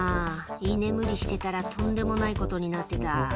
「居眠りしてたらとんでもないことになってた」